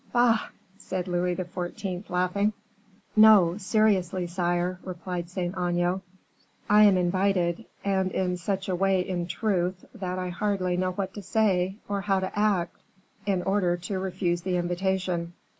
"Bah!" said Louis XIV., laughing. "No, seriously, sire," replied Saint Aignan, "I am invited; and in such a way, in truth, that I hardly know what to say, or how to act, in order to refuse the invitation."